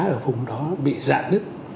ở vùng đó bị dạn đứt